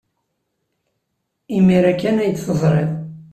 Imir-a kan ay t-teẓriḍ.